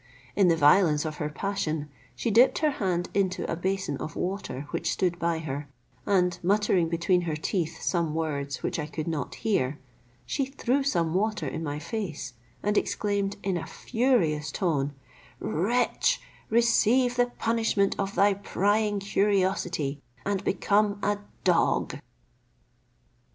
In the violence of her passion, she dipped her hand into a basin of water, which stood by her, and muttering between her teeth some words, which I could not hear, she threw some water in my face, and exclaimed, in a furious tone, "Wretch, receive the punishment of thy prying curiosity, and become a dog!"